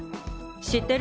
知ってる？